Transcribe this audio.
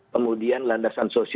kemudian landasan sosial